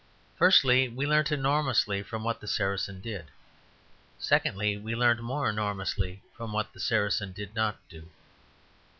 Firstly, we learnt enormously from what the Saracen did. Secondly, we learnt yet more enormously from what the Saracen did not do.